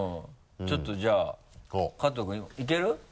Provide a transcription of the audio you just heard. ちょっとじゃあ加藤君いける？